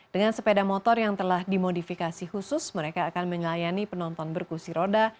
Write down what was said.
dengan sepeda motor yang telah dimodifikasi khusus mereka akan melayani penonton berkusi roda